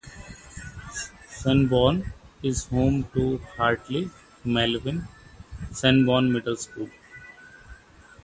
Sanborn is home to the Hartley-Melvin-Sanborn Middle School.